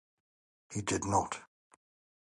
He did not.